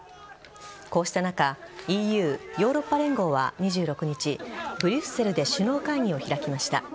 こうした中ＥＵ＝ヨーロッパ連合は２６日ブリュッセルで首脳会議を開きました。